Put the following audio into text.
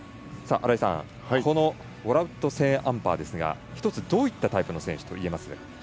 新井さんウォラウット・セーンアンパーですが１つ、どういったタイプの選手といえますか？